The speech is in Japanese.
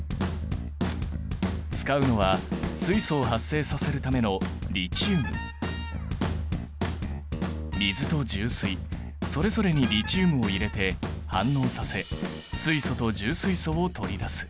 使うのは水素を発生させるための水と重水それぞれにリチウムを入れて反応させ水素と重水素を取り出す。